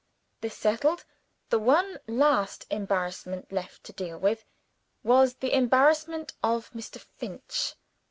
This settled, the one last embarrassment left to deal with, was the embarrassment of Mr. Finch.